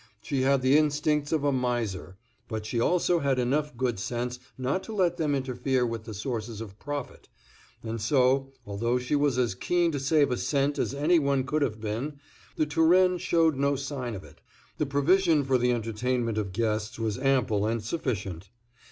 She had the instincts of a miser, but she also had enough good sense not to let them interfere with the sources of profit, and so, although she was as keen to save a cent as any one could have been, The Turenne showed no sign of it. The provision for the entertainment of guests was ample and sufficient.